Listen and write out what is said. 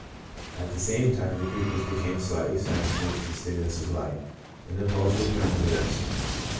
At the same time the pupils became slightly sensible to the stimulus of light, and the pulse returned to the wrist.